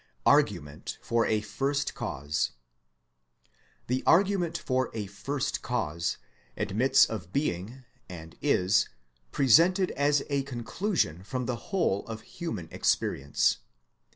ARGUMENT FOE A FIKST CAUSE rPHE argument for a First Cause admits of being, and is, presented as a conclusion from the whole of human experience.